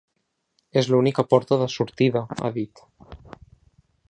“És l’única porta de sortida”, ha dit.